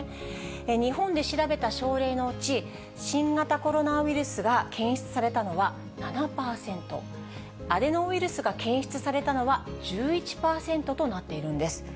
日本で調べた症例のうち、新型コロナウイルスが検出されたのは７％、アデノウイルスが検出されたのは１１％となっているんです。